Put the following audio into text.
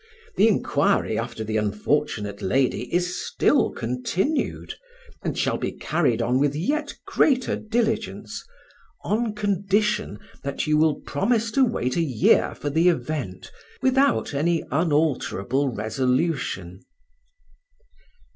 The inquiry after the unfortunate lady is still continued, and shall be carried on with yet greater diligence, on condition that you will promise to wait a year for the event, without any unalterable resolution."